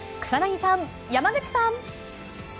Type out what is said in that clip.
草薙さん、山口さん。